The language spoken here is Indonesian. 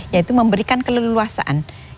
yaitu memberikan keleluasan